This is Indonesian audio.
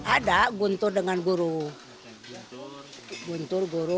ada guntur dengan guru eha